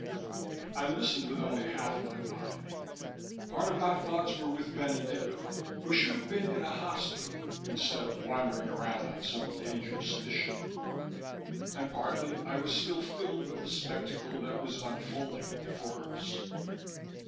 I listened with only half my mind. Part of my thoughts were with Benedetto, who should have been in a hospital instead of wandering around on some dangerous mission. And partly I was still filled with the spectacle that was unfolding before us.